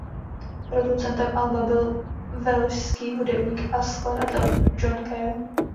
Producentem alba byl velšský hudebník a skladatel John Cale.